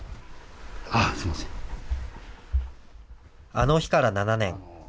あの日から７年。